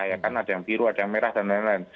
ada yang biru ada yang merah dll